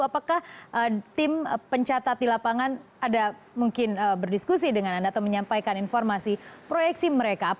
apakah tim pencatat di lapangan ada mungkin berdiskusi dengan anda atau menyampaikan informasi proyeksi mereka